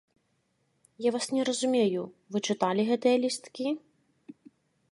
Я вас не разумею, вы чыталі гэтыя лісткі?